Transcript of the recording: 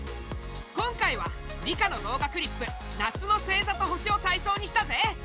今回は理科の動画クリップ「夏の星ざと星」をたいそうにしたぜ！